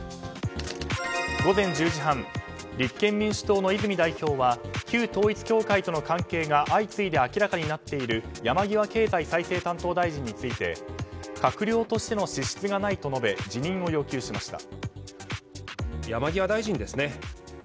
午前１０時半立憲民主党との泉代表は旧統一教会との関係が相次いで明らかになっている山際経済再生担当大臣について閣僚としての資質がないと述べ辞任を要求しました。